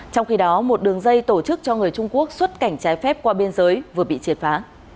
trong khi đó một đường dây tổ chức cho người trung quốc xuất cảnh trái phép qua biên giới vừa bị triệt phá